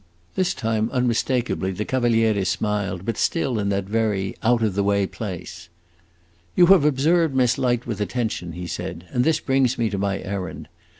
This time, unmistakably, the Cavaliere smiled, but still in that very out of the way place. "You have observed Miss Light with attention," he said, "and this brings me to my errand. Mrs.